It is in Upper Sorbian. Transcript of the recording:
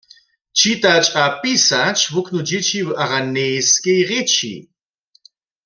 Čitać a pisać wuknu dźěći w araneskej rěči.